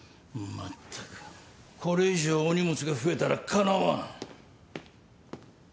まったくこれ以上お荷物が増えたらかなわん。